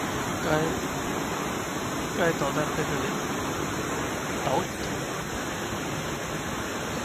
该导弹配备了导引头。